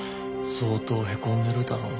相当へこんでるだろうな。